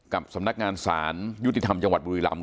สำนักงานศาลยุติธรรมจังหวัดบุรีรำ